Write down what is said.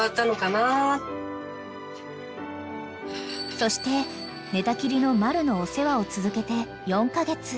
［そして寝たきりのマルのお世話を続けて４カ月］